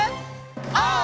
オー！